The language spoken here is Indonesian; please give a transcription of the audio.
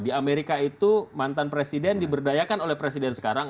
di amerika itu mantan presiden diberdayakan oleh presiden sekarang